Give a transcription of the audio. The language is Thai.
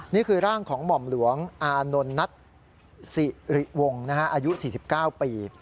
นี่คือร่างของหม่อมหลวงอานนนัทสิริวงศ์อายุ๔๙ปี